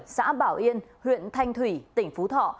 xã bảo yên huyện thanh thủy tỉnh phú thọ